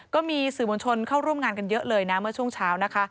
ก็มีสื่อมวลชนเข้าร่วมงานกันเยอะเลยนะเมื่อช่วงเช้านะคะ